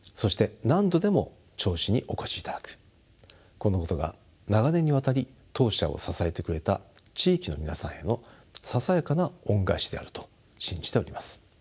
このことが長年にわたり当社を支えてくれた地域の皆さんへのささやかな恩返しであると信じております。